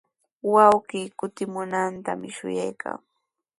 Wawqii kutimunantami shuyaykaa.